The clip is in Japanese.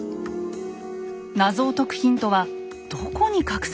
謎を解くヒントはどこに隠されているのでしょうか？